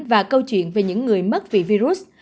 và câu chuyện về những người mắc vì virus